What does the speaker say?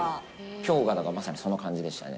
きょうがだからまさにその感じでしたね。